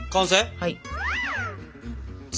はい！